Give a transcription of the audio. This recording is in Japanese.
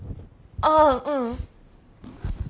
ああううん。